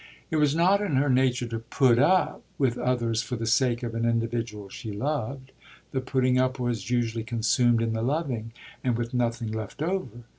It was not in her nature to "put up" with others for the sake of an individual she loved: the putting up was usually consumed in the loving, and with nothing left over.